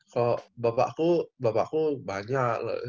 kalau bapakku bapakku banyak